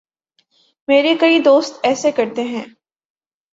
میرے کئی دوست ایسے کرتے ہیں۔